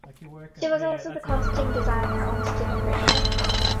She was also the costume designer on "Still River".